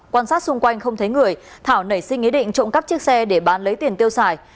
quan sát xung quanh không thấy người thảo nảy sinh ý định trộm cắp chiếc xe để bán lấy tiền tiêu xài